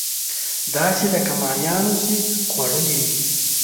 داسې لکه ماهيانو چې خوړلې وي.